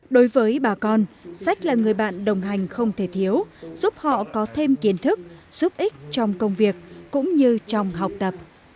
đối với bà con sách là người bạn đồng hành không thể thiếu giúp họ có thêm kiến thức giúp ích trong công việc cũng như trong học tập